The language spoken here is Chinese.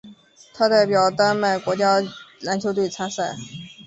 他也代表丹麦国家篮球队参赛。